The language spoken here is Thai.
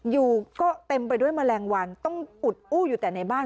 อยู่ก็เต็มไปด้วยแมลงวันต้องอุดอู้อยู่แต่ในบ้าน